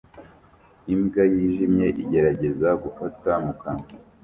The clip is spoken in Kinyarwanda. Imbwa yijimye igerageza gufata mukanwa